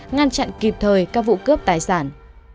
ngăn chặn kịp thời các vụ cướp tài sản